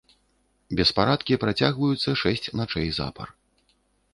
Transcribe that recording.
Беспарадкі працягваюцца шэсць начэй запар.